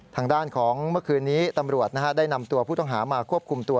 ทางด้านของเมื่อคืนนี้ตำรวจได้นำตัวผู้ต้องหามาควบคุมตัว